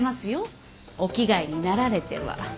お着替えになられては。